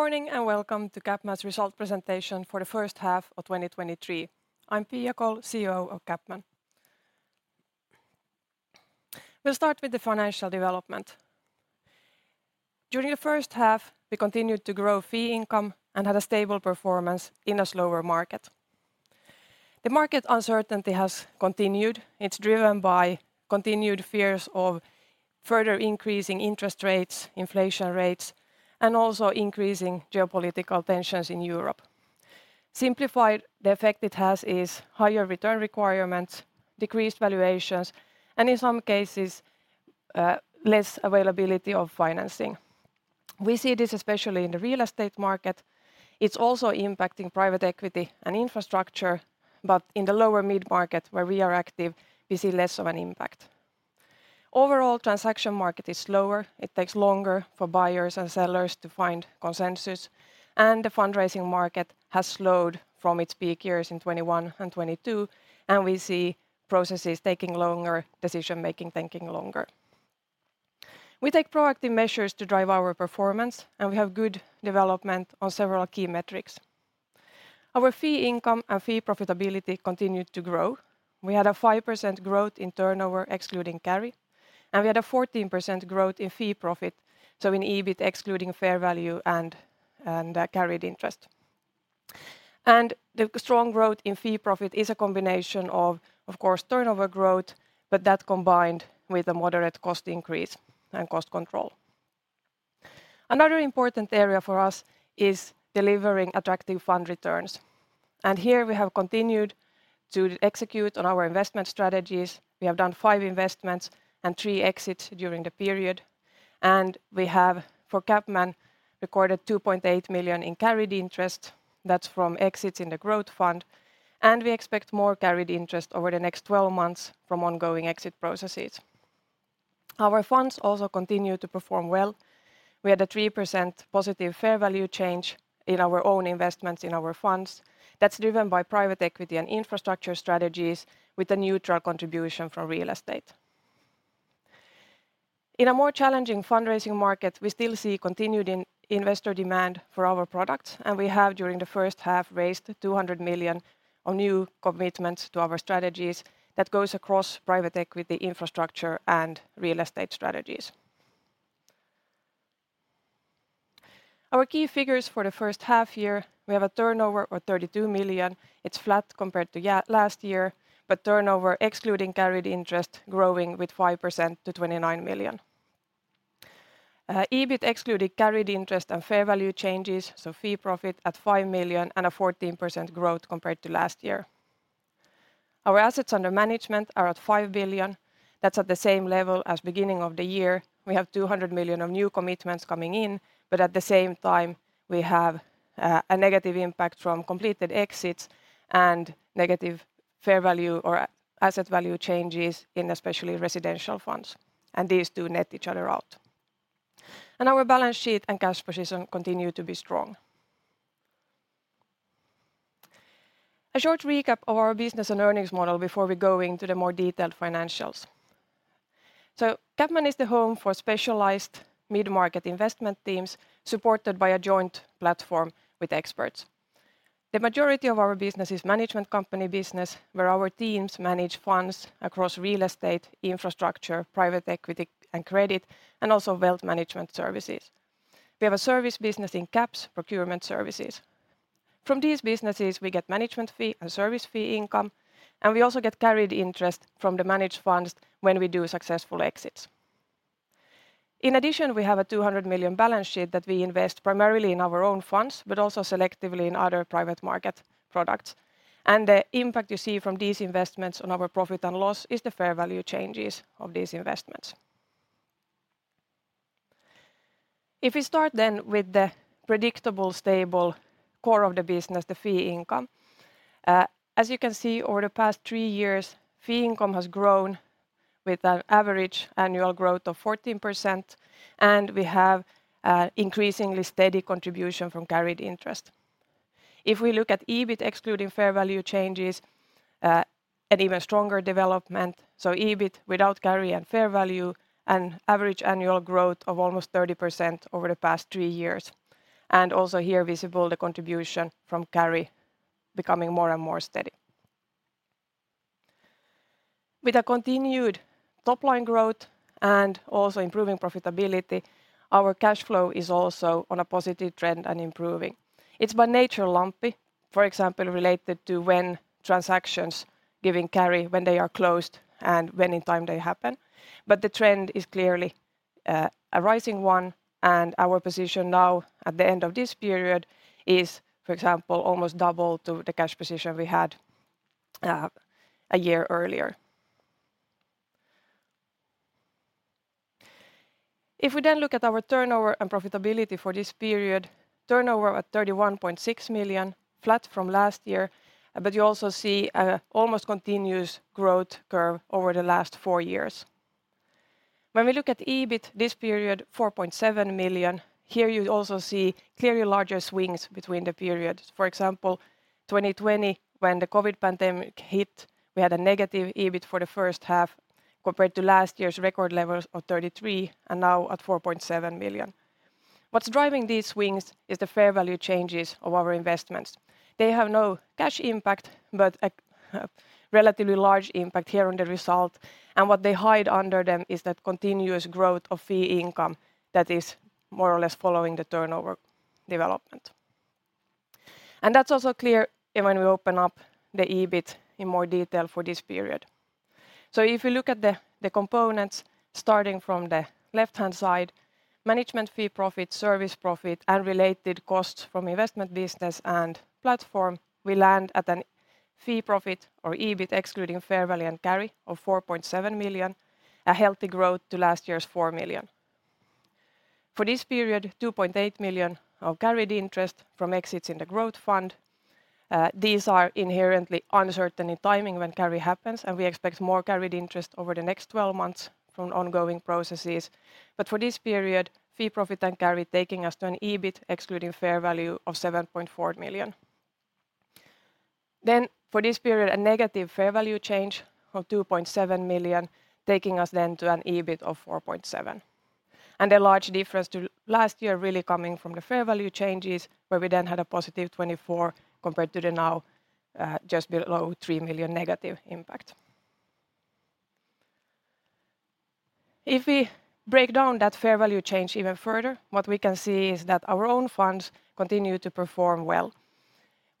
Good morning. Welcome to CapMan's Result Presentation for the first half of 2023. I'm Pia Kåll, CEO of CapMan. We'll start with the financial development. During the first half, we continued to grow fee income and had a stable performance in a slower market. The market uncertainty has continued. It's driven by continued fears of further increasing interest rates, inflation rates, and also increasing geopolitical tensions in Europe. Simplified, the effect it has is higher return requirements, decreased valuations, and in some cases, less availability of financing. We see this especially in the real estate market. It's also impacting private equity and infrastructure, but in the lower mid-market, where we are active, we see less of an impact. Overall, transaction market is slower. It takes longer for buyers and sellers to find consensus. The fundraising market has slowed from its peak years in 2021 and 2022, and we see processes taking longer, decision-making taking longer. We take proactive measures to drive our performance. We have good development on several key metrics. Our fee income and fee profitability continued to grow. We had a 5% growth in turnover, excluding carry. We had a 14% growth in fee profit, so in EBIT, excluding fair value and carried interest. The strong growth in fee profit is a combination of, of course, turnover growth, but that combined with a moderate cost increase and cost control. Another important area for us is delivering attractive fund returns. Here we have continued to execute on our investment strategies. We have done five investments and three exits during the period, and we have, for CapMan, recorded 2.8 million in carried interest. That's from exits in the growth fund, and we expect more carried interest over the next 12 months from ongoing exit processes. Our funds also continue to perform well. We had a 3% positive fair value change in our own investments in our funds. That's driven by private equity and infrastructure strategies with a neutral contribution from real estate. In a more challenging fundraising market, we still see continued investor demand for our products, and we have, during the first half, raised 200 million of new commitments to our strategies. That goes across private equity, infrastructure, and real estate strategies. Our key figures for the first half year, we have a turnover of 32 million. It's flat compared to last year, but turnover, excluding carried interest, growing with 5% to 29 million. EBIT excluding carried interest and fair value changes, so fee profit at 5 million and a 14% growth compared to last year. Our assets under management are at 5 billion. That's at the same level as beginning of the year. We have 200 million of new commitments coming in, but at the same time, we have a negative impact from completed exits and negative fair value or asset value changes in especially residential funds, and these do net each other out. Our balance sheet and cash position continue to be strong. A short recap of our business and earnings model before we go into the more detailed financials. CapMan is the home for specialized mid-market investment teams, supported by a joint platform with experts. The majority of our business is management company business, where our teams manage funds across real estate, infrastructure, private equity, and credit, and also wealth management services. We have a service business in CaPS Procurement Services. From these businesses, we get management fee and service fee income, and we also get carried interest from the managed funds when we do successful exits. In addition, we have a 200 million balance sheet that we invest primarily in our own funds, but also selectively in other private market products, and the impact you see from these investments on our profit and loss is the fair value changes of these investments. If we start with the predictable, stable core of the business, the fee income, as you can see, over the past 3 years, fee income has grown with an average annual growth of 14%. We have increasingly steady contribution from carried interest. If we look at EBIT, excluding fair value changes, an even stronger development, EBIT without carry and fair value, an average annual growth of almost 30% over the past 3 years. Also here visible, the contribution from carry becoming more and more steady. With a continued top-line growth and also improving profitability, our cash flow is also on a positive trend and improving. It's by nature lumpy, for example, related to when transactions giving carry, when they are closed, and when in time they happen. The trend is clearly a rising one, and our position now, at the end of this period, is, for example, almost double to the cash position we had a year earlier. We then look at our turnover and profitability for this period, turnover at 31.6 million, flat from last year. You also see a almost continuous growth curve over the last four years. When we look at EBIT this period, 4.7 million, here you also see clearly larger swings between the periods. For example, 2020, when the COVID pandemic hit, we had a negative EBIT for the first half, compared to last year's record levels of 33 million, and now at 4.7 million. What's driving these swings is the fair value changes of our investments. They have no cash impact, but a relatively large impact here on the result, and what they hide under them is that continuous growth of fee income that is more or less following the turnover development. That's also clear when we open up the EBIT in more detail for this period. If you look at the components, starting from the left-hand side, management fee profit, service profit, and related costs from investment business and platform, we land at an fee profit or EBIT excluding fair value and carry of 4.7 million, a healthy growth to last year's 4 million. For this period, 2.8 million of carried interest from exits in the growth fund. These are inherently uncertain in timing when carry happens. We expect more carried interest over the next 12 months from ongoing processes. For this period, fee profit and carry taking us then to an EBIT excluding fair value of 7.4 million. For this period, a negative fair value change of 2.7 million, taking us then to an EBIT of 4.7 million. A large difference to last year really coming from the fair value changes, where we then had a positive 24 million compared to the now, just below 3 million negative impact. If we break down that fair value change even further, what we can see is that our own funds continue to perform well.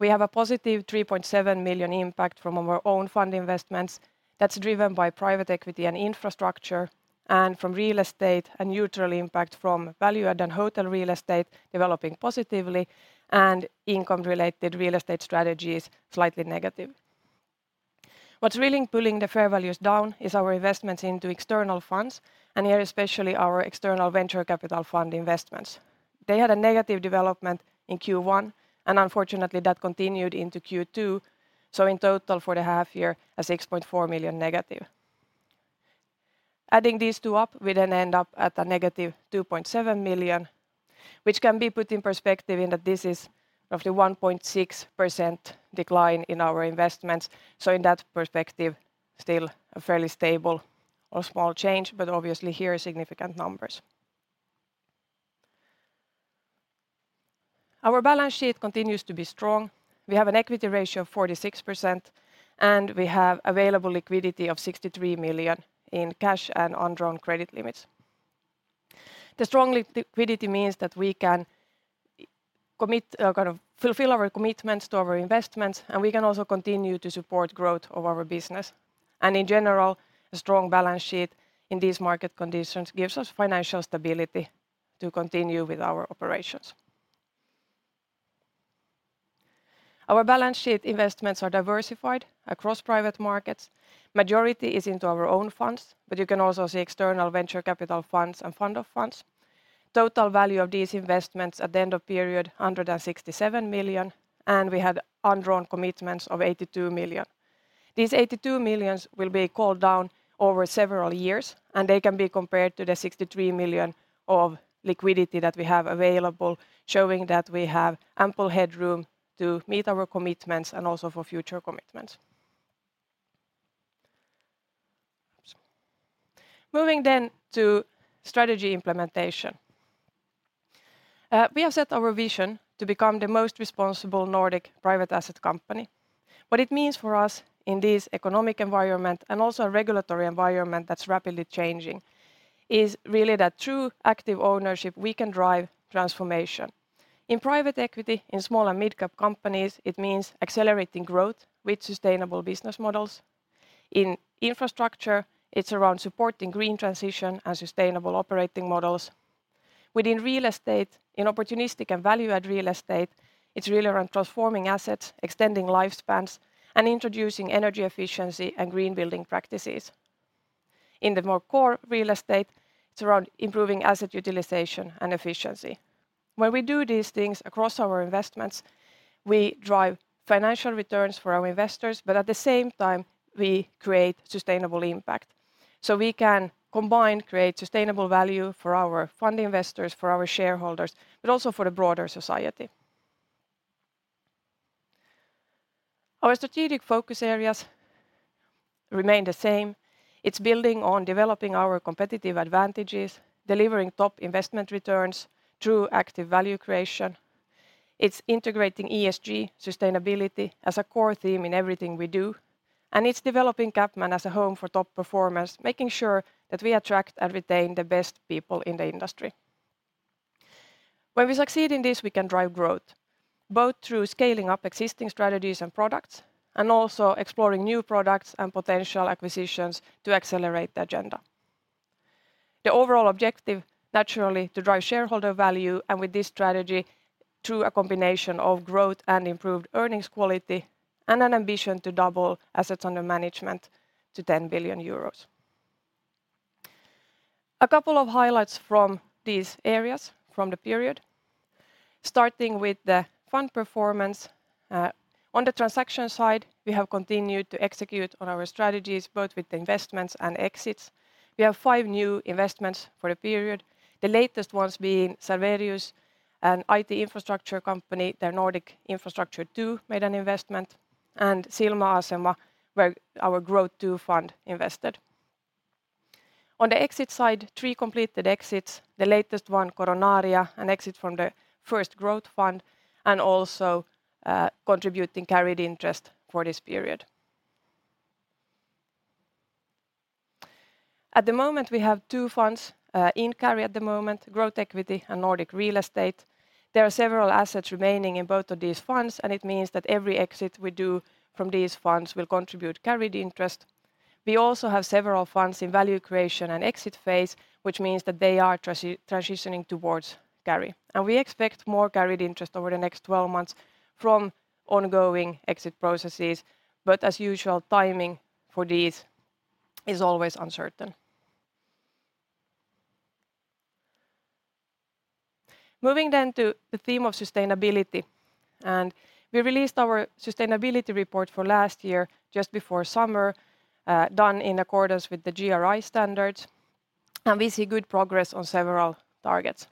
We have a positive 3.7 million impact from our own fund investments. That's driven by private equity and infrastructure, and from real estate, a neutral impact from value-add and hotel real estate developing positively, and income-related real estate strategies, slightly negative. What's really pulling the fair values down is our investments into external funds, and here, especially our external venture capital fund investments. They had a negative development in Q1, and unfortunately, that continued into Q2, so in total, for the half year, a 6.4 million negative. Adding these two up, we then end up at a negative 2.7 million, which can be put in perspective in that this is roughly 1.6% decline in our investments, so in that perspective, still a fairly stable or small change, but obviously here, significant numbers. Our balance sheet continues to be strong. We have an equity ratio of 46%, and we have available liquidity of 63 million in cash and undrawn credit limits. The strong liquidity means that we can commit, kind of fulfill our commitments to our investments, and we can also continue to support growth of our business. In general, a strong balance sheet in these market conditions gives us financial stability to continue with our operations. Our balance sheet investments are diversified across private markets. Majority is into our own funds, but you can also see external venture capital funds and fund of funds. Total value of these investments at the end of period, 167 million, and we had undrawn commitments of 82 million. These 82 million will be called down over several years, and they can be compared to the 63 million of liquidity that we have available, showing that we have ample headroom to meet our commitments and also for future commitments. Moving to strategy implementation. We have set our vision to become the most responsible Nordic private asset company. What it means for us in this economic environment, and also a regulatory environment that's rapidly changing, is really that through active ownership, we can drive transformation. In private equity, in small and midcap companies, it means accelerating growth with sustainable business models. In infrastructure, it's around supporting green transition and sustainable operating models. Within real estate, in opportunistic and value-add real estate, it's really around transforming assets, extending lifespans, and introducing energy efficiency and green building practices. In the more core real estate, it's around improving asset utilization and efficiency. When we do these things across our investments, we drive financial returns for our investors, but at the same time, we create sustainable impact. We can combine, create sustainable value for our fund investors, for our shareholders, but also for the broader society. Our strategic focus areas remain the same. It's building on developing our competitive advantages, delivering top investment returns through active value creation. It's integrating ESG sustainability as a core theme in everything we do, and it's developing CapMan as a home for top performers, making sure that we attract and retain the best people in the industry. When we succeed in this, we can drive growth, both through scaling up existing strategies and products, and also exploring new products and potential acquisitions to accelerate the agenda. The overall objective, naturally, to drive shareholder value, and with this strategy, through a combination of growth and improved earnings quality, and an ambition to double assets under management to 10 billion euros. A couple of highlights from these areas, from the period, starting with the fund performance. On the transaction side, we have continued to execute on our strategies, both with investments and exits. We have 5 new investments for the period, the latest ones being Serverius, an IT infrastructure company, their Nordic Infrastructure II made an investment, and Silmäasema, where our Growth II fund invested. On the exit side, 3 completed exits, the latest one, Coronaria, an exit from the first Growth Fund, and also, contributing carried interest for this period. At the moment, we have 2 funds in carry at the moment, Growth Equity and Nordic Real Estate. There are several assets remaining in both of these funds, and it means that every exit we do from these funds will contribute carried interest. We also have several funds in value creation and exit phase, which means that they are transitioning towards carry. We expect more carried interest over the next 12 months from ongoing exit processes, but as usual, timing for these is always uncertain. Moving then to the theme of sustainability, we released our sustainability report for last year just before summer, done in accordance with the GRI standards, and we see good progress on several targets.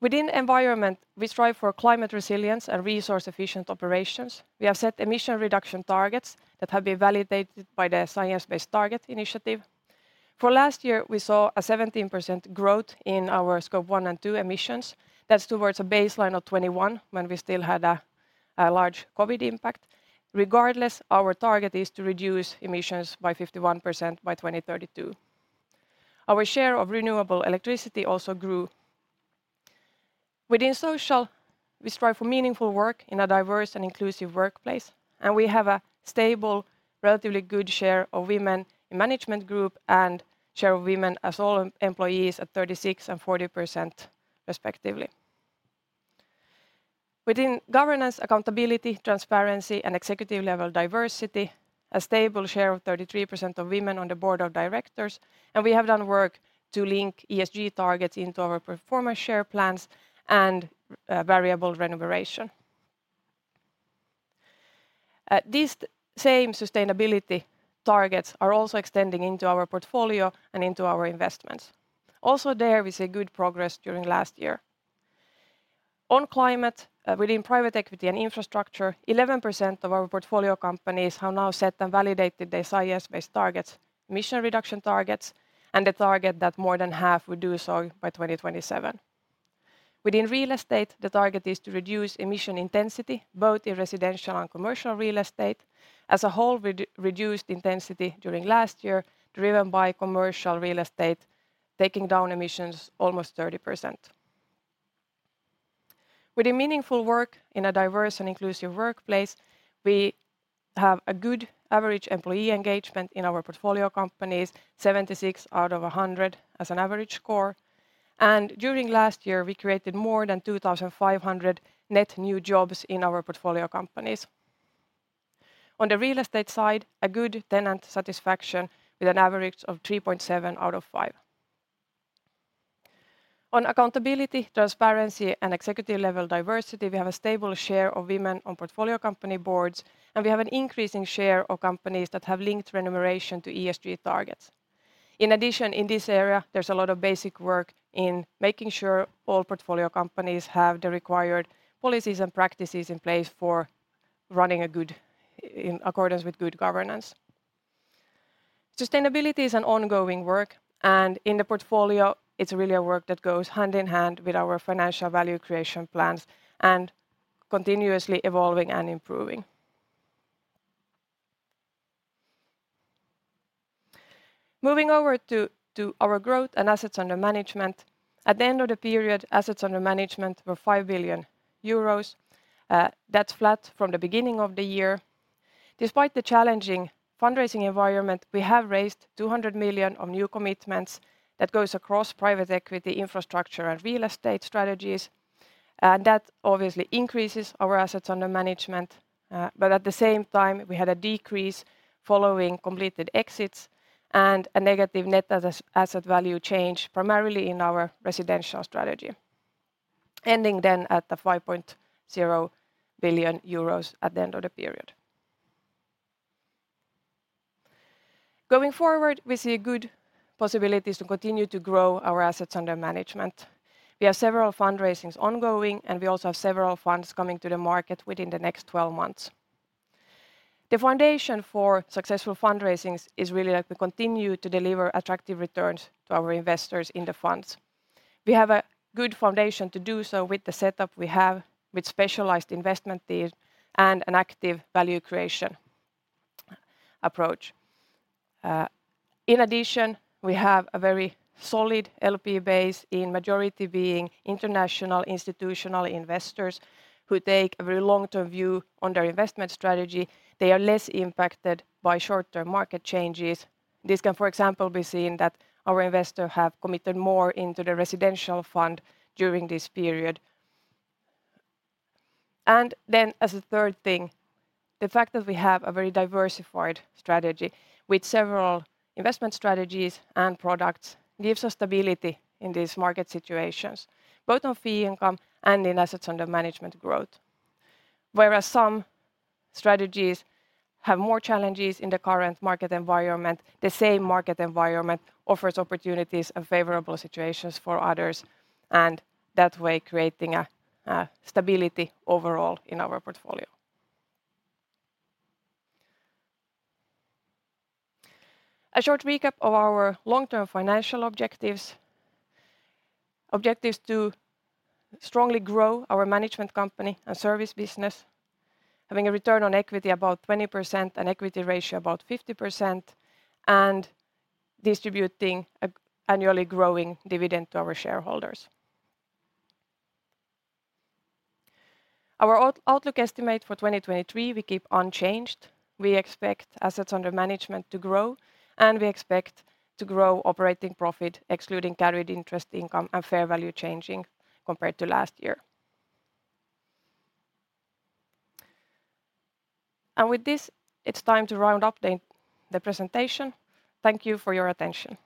Within environment, we strive for climate resilience and resource-efficient operations. We have set emission reduction targets that have been validated by the Science Based Targets initiative. For last year, we saw a 17% growth in our Scope 1 and 2 emissions. That's towards a baseline of 2021, when we still had a large COVID impact. Regardless, our target is to reduce emissions by 51% by 2032. Our share of renewable electricity also grew. Within social, we strive for meaningful work in a diverse and inclusive workplace, we have a stable, relatively good share of women in management group, and share of women as all employees at 36% and 40% respectively. Within governance, accountability, transparency, and executive-level diversity, a stable share of 33% of women on the board of directors, we have done work to link ESG targets into our performance share plans and variable remuneration. These same sustainability targets are also extending into our portfolio and into our investments. Also there, we see good progress during last year. On climate, within private equity and infrastructure, 11% of our portfolio companies have now set and validated their Science Based Targets, emission reduction targets, and the target that more than half will do so by 2027. Within real estate, the target is to reduce emission intensity, both in residential and commercial real estate. As a whole, reduced intensity during last year, driven by commercial real estate, taking down emissions almost 30%. Within meaningful work in a diverse and inclusive workplace, we have a good average employee engagement in our portfolio companies, 76 out of 100 as an average score. During last year, we created more than 2,500 net new jobs in our portfolio companies. On the real estate side, a good tenant satisfaction with an average of 3.7 out of 5. On accountability, transparency, and executive-level diversity, we have a stable share of women on portfolio company boards, and we have an increasing share of companies that have linked remuneration to ESG targets. In addition, in this area, there's a lot of basic work in making sure all portfolio companies have the required policies and practices in place for running in accordance with good governance. Sustainability is an ongoing work, and in the portfolio, it's really a work that goes hand in hand with our financial value creation plans, and continuously evolving and improving. Moving over to our growth and assets under management. At the end of the period, assets under management were 5 billion euros. That's flat from the beginning of the year. Despite the challenging fundraising environment, we have raised 200 million of new commitments that goes across private equity, infrastructure, and real estate strategies. That obviously increases our assets under management, but at the same time, we had a decrease following completed exits and a negative net asset value change, primarily in our residential strategy, ending then at 5.0 billion euros at the end of the period. Going forward, we see good possibilities to continue to grow our assets under management. We have several fundraisings ongoing, and we also have several funds coming to the market within the next 12 months. The foundation for successful fundraisings is really that we continue to deliver attractive returns to our investors in the funds. We have a good foundation to do so with the setup we have with specialized investment teams and an active value creation approach. In addition, we have a very solid LP base in majority being international institutional investors, who take a very long-term view on their investment strategy. They are less impacted by short-term market changes. This can, for example, be seen that our investors have committed more into the residential fund during this period. As a third thing, the fact that we have a very diversified strategy with several investment strategies and products, gives us stability in these market situations, both on fee income and in assets under management growth. Whereas some strategies have more challenges in the current market environment, the same market environment offers opportunities and favorable situations for others, and that way, creating a stability overall in our portfolio. A short recap of our long-term financial objectives. Objectives to strongly grow our management company and service business, having a return on equity about 20% and equity ratio about 50%, and distributing a annually growing dividend to our shareholders. Our outlook estimate for 2023, we keep unchanged. We expect assets under management to grow. We expect to grow operating profit, excluding carried interest income and fair value changes compared to last year. With this, it's time to round up the presentation. Thank you for your attention.